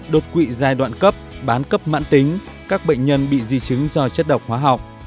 đột quỵ giai đoạn cấp bán cấp mãn tính các bệnh nhân bị di chứng do chất độc hóa học